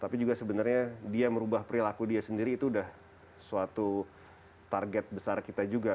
tapi juga sebenarnya dia merubah perilaku dia sendiri itu udah suatu target besar kita juga